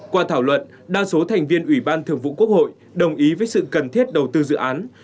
qua thảo luận đa số thành viên ủy ban thường vụ quốc hội đồng ý với sự cần thiết đầu tư dự án